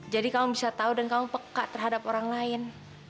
jadi kamu bisa tau dan kamu peka terhadap orang lain